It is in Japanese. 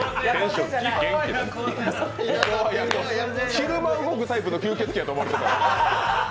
昼間動くタイプの吸血鬼やと思ってた。